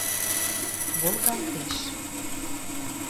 Волгалтеш...